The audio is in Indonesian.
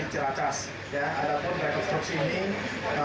dan tersangka ya